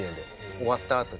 終わったあとに。